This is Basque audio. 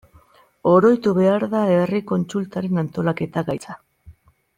Oroitu behar da herri kontsultaren antolaketa gaitza.